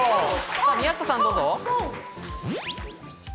宮下さん、どうぞ。